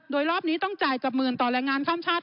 โดยรอบนี้ต้องจ่ายกับหมื่นต่อแรงงานข้ามชาติ